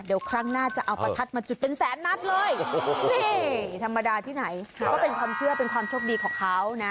เดี๋ยวครั้งหน้าจะเอาประทัดมาจุดเป็นแสนนัดเลยนี่ธรรมดาที่ไหนก็เป็นความเชื่อเป็นความโชคดีของเขานะ